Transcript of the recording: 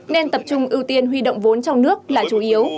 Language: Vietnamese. nên tập trung ưu tiên huy động vốn trong nước là chủ yếu